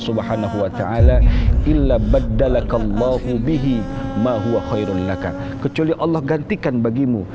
subhanahu wa ta'ala ila badalaka allahu bihi ma huwa khairul laka kecuali allah gantikan bagimu